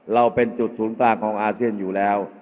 เราเป็นจุดศูนย์กลางของอาเซียนอยู่แล้ว